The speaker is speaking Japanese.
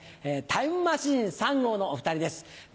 タイムマシーン３号のお２人です。